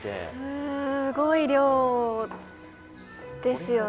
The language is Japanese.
すごい量ですよね。